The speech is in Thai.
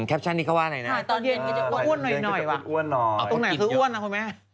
อ๋อตรงไหนที่กินอ้าวอ้อตรงไหนคืออ้วนงั้นผ่นไหม